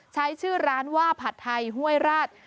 ใช้ชื่อร้านว่าผัดไทยห้วยราช